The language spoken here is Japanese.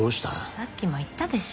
さっきも言ったでしょ